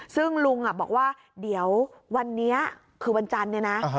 ซึ่งลุงบอกว่าเดี๋ยววันนี้คือวันจันทร์เนี่ยนะ